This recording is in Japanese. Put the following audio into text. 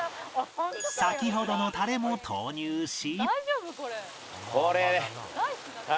先ほどのタレも投入し